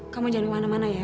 kamu jangan kemana mana ya